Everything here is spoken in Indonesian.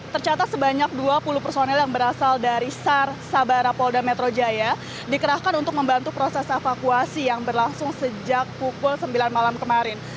tercatat sebanyak dua puluh personel yang berasal dari sar sabara polda metro jaya dikerahkan untuk membantu proses evakuasi yang berlangsung sejak pukul sembilan malam kemarin